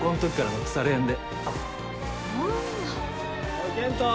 おい健人。